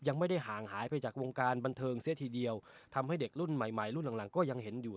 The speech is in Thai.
ยังไม่ได้ห่างหายไปจากวงการบันเทิงเสียทีเดียวทำให้เด็กรุ่นใหม่ใหม่รุ่นหลังหลังก็ยังเห็นอยู่